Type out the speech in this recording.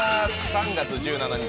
３月１７日